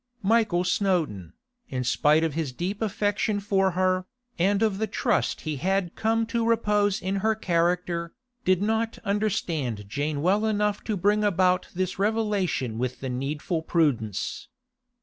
Michael Snowdon, in spite of his deep affection for her, and of the trust he had come to repose in her character, did not understand Jane well enough to bring about this revelation with the needful prudence.